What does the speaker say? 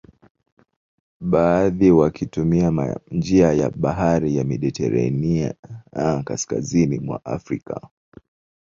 Baadhi wakitumia njia ya bahari ya Mediterania kaskazini mwa Afrika